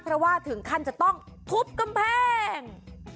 เพราะว่าถึงขั้นจะต้องทุบกำแพง